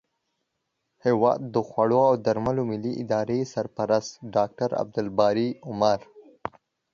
هیواد د خوړو او درملو ملي ادارې سرپرست ډاکټر عبدالباري عمر